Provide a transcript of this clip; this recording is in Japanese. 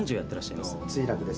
墜落です。